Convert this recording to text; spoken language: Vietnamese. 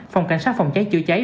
phòng cảnh sát phòng cháy chữa cháy